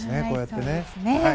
こうやって。